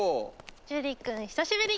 ジュリくん久しぶり！